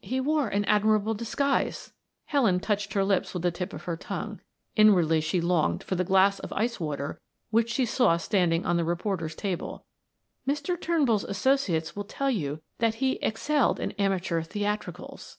"He wore an admirable disguise." Helen touched her lips with the tip of her tongue; inwardly she longed for the glass of ice water which she saw standing on the reporters' table. "Mr. Turnbull's associates will tell you that he excelled in amateur theatricals."